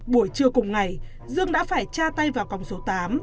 buổi trưa cùng ngày dương đã phải tra tay vào còng số tám